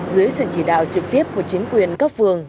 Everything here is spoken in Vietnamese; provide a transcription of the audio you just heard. dưới sự chỉ đạo trực tiếp của chính quyền cấp phường